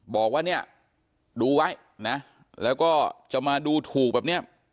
บอกว่าเนี่ยดูไว้นะแล้วก็จะมาดูถูกแบบเนี้ย